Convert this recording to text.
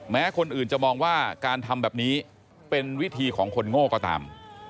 แม้คนอื่นจะมองว่าการทำแบบนี้เป็นวิธีของคนโง่ก็ตาม